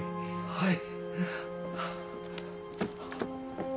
はい。